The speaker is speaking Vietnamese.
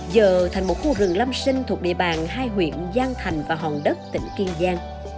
giờ thành một khu rừng lâm sinh thuộc địa bàn hai huyện giang thành và hòn đất tỉnh kiên giang